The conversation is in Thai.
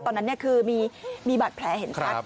ตอนนั้นคือมีบัตรแพร่เห็นคัด